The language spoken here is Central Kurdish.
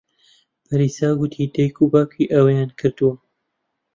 پەریسا گوتی دایک و باوکی ئەوەیان کردووە.